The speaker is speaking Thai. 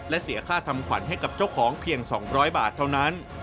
และเสียค่าทำขวัญให้กับเจ้าของเพียง๒๐๐บาทเท่านั้น